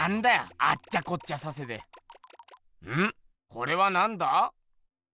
これはなんだ？